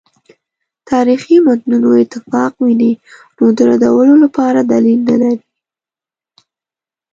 تاریخي متونو اتفاق ویني نو د ردولو لپاره دلیل نه لري.